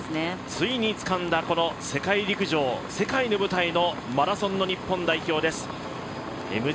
ついにつかんだこの世界陸上、世界の舞台のマラソンの日本代表です。